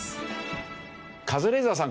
カズレーザーさん